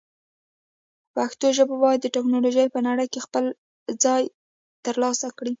پښتو ژبه باید د ټکنالوژۍ په نړۍ کې خپل ځای ترلاسه کړي.